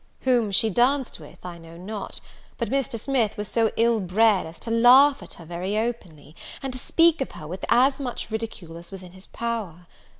Whom she danced with, I know not; but Mr. Smith was so ill bred as to laugh at her very openly, and to speak of her with as much ridicule as was in his power.